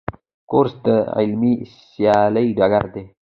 کورس د علمي سیالۍ ډګر دی.